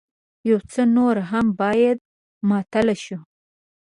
يو څه نور هم بايد ماتل شو.